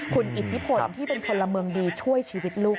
คุณอิทธิพลที่เป็นพลเมืองดีช่วยชีวิตลูก